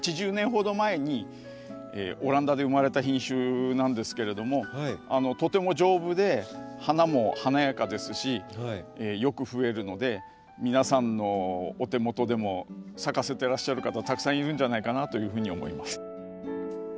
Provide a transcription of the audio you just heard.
８０年ほど前にオランダで生まれた品種なんですけれどもとても丈夫で花も華やかですしよくふえるので皆さんのお手元でも咲かせてらっしゃる方たくさんいるんじゃないかなというふうに思います。